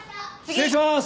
失礼します。